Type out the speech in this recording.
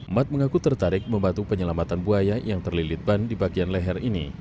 mat mengaku tertarik membantu penyelamatan buaya yang terlilit ban di bagian leher ini